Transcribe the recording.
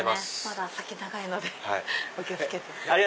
まだ先長いのでお気を付けて。